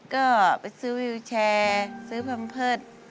ก็ไปซื้อวิวแชร์ซื้อแพมเพิร์ต